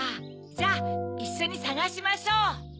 じゃあいっしょにさがしましょう。